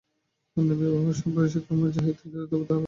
কন্যার বিবাহের বয়স ক্রমেই বহিয়া যাইতেছিল, তবু তাহার হুঁশ ছিল না।